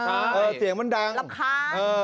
เออเสียงมันดังรับค้างเออเออ